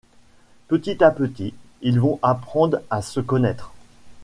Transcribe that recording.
Petit à petit, ils vont apprendre à se connaître.